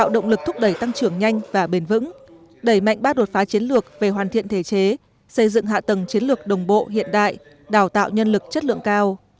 đẩy mạnh bác đột phá chiến lược về hoàn thiện thể chế xây dựng hạ tầng chiến lược đồng bộ hiện đại đào tạo nhân lực chất lượng cao